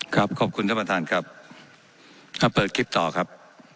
ขอบคุณท่านประธานครับถ้าเปิดคลิปต่อครับ